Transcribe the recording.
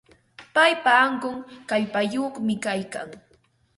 Paypa ankun kallpayuqmi kaykan.